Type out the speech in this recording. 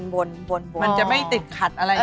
มันจะไม่ติดขัดอะไร